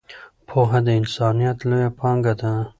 پوهه د انسانیت لویه پانګه ده.